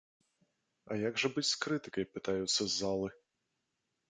А як жа быць з крытыкай, пытаюцца з залы.